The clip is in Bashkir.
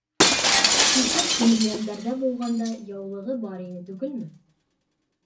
Кисә Тимерйәндәрҙә булғанда яулығы бар ине түгелме?